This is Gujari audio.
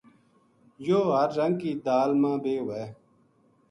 یوہ ہر رنگ کی دال ما بے وھے